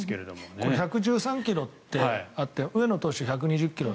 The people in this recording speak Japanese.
これ１１３ｋｍってあって上野投手１２０ｋｍ。